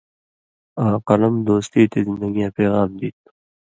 آں قلم دوستی تے زندگیاں پیغام دی تُھو،